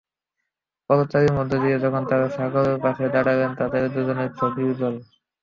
করতালির মধ্য দিয়ে যখন তাঁরা সাগরের পাশে দাঁড়ালেন, তখন দুজনের চোখেই জল।